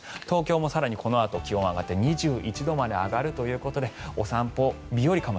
東京も更にこのあと気温が上がって２１度まで上がるということでお散歩日和